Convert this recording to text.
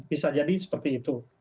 bisa jadi seperti itu